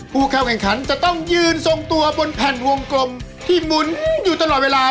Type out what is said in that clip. ผู้เข้าแข่งขันจะต้องยืนทรงตัวบนแผ่นวงกลมที่หมุนอยู่ตลอดเวลา